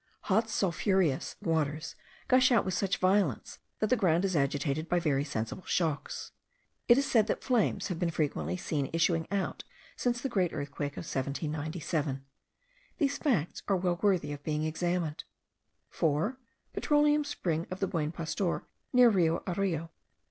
Hot sulphureous waters gush out with such violence that the ground is agitated by very sensible shocks. It is said that flames have been frequently seen issuing out since the great earthquake of 1797. These facts are well worthy of being examined. 4. Petroleum spring of the Buen Pastor, near Rio Areo.